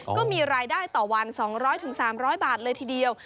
ก็มีรายได้ต่อวันสองร้อยถึงสามร้อยบาทเลยทีเดียว